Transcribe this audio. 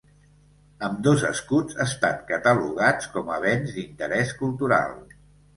Ambdós escuts estan catalogats com a Béns d'Interés Cultural.